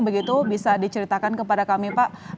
begitu bisa diceritakan kepada kami pak